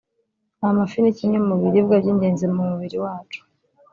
Amafi ni kimwe mu biribwaby’ingenzi mu mubiri wacu